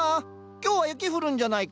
今日は雪降るんじゃないか？